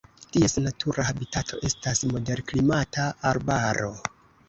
Ties natura habitato estas moderklimata arbaro.